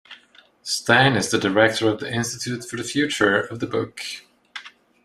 Stein is the director of the Institute for the Future of the Book.